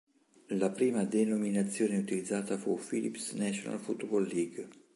La prima denominazione utilizzata fu Philips National Football League.